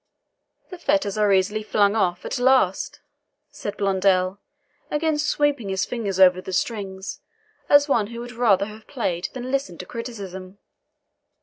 "The fetters are easily flung off, at least," said Blondel, again sweeping his fingers over the strings, as one who would rather have played than listened to criticism.